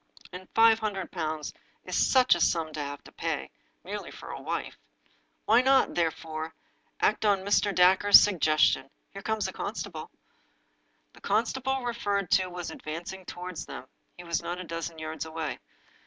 And five hundred pounds is such a sum to have to pay — ^merely for a wife! Why not, therefore, act on Mr. Dacre's sug gestion? Here comes the constable/' The constable re ferred to was advancing toward them — ^he was not a dozen yards away.